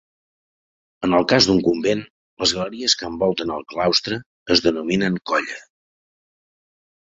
En el cas d'un convent, les galeries que envolten el claustre es denominen colla.